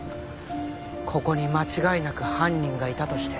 ここに間違いなく犯人がいたとして。